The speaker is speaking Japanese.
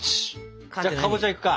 じゃあかぼちゃいくか。